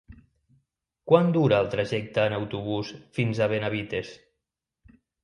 Quant dura el trajecte en autobús fins a Benavites?